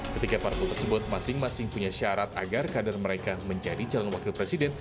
ketiga parpol tersebut masing masing punya syarat agar kader mereka menjadi calon wakil presiden